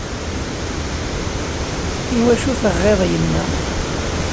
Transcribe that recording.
I wacu i teɣɣiḍ yemma?